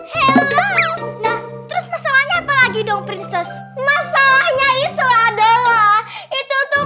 halo nah terus masalahnya apalagi dong prinses masalahnya itu adalah itu tuh